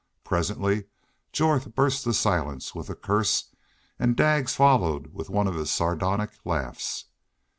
Presently Jorth burst the silence with a curse, and Daggs followed with one of his sardonic laughs.